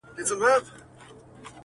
کله کله به هیلۍ ورته راتللې -